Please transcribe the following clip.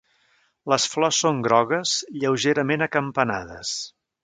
Les flors són grogues lleugerament acampanades.